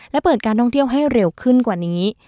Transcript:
และเปิดการท่องเที่ยวให้เร็วขึ้นกว่านี้